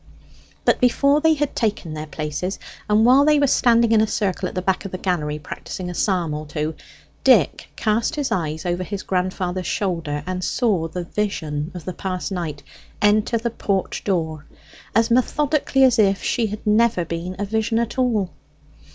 But before they had taken their places, and whilst they were standing in a circle at the back of the gallery practising a psalm or two, Dick cast his eyes over his grandfather's shoulder, and saw the vision of the past night enter the porch door as methodically as if she had never been a vision at all.